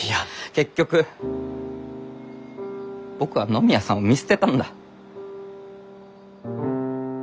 結局僕は野宮さんを見捨てたんだ。